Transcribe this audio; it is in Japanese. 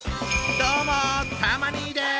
どうもたま兄です。